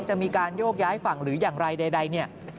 จะมีการโยกย้ายฝั่งหรืออย่างไรใดเนี่ย